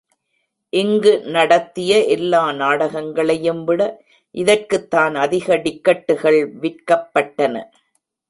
இங்கு நடத்திய எல்லா நாடகங்களையும் விட இதற்குத்தான் அதிக டிக்கட்டுகள் விற்கப்பட்டன.